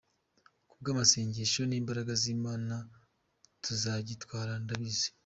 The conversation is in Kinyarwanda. Ku bw’amasengesho n’imbaraga z’Imana tuzagitwara ndabizi”.